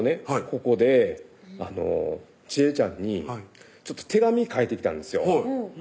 ここでちえちゃんにちょっと手紙書いてきたんですよ